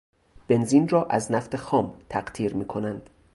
بنزین را از نفت خام تقطیر میکنند.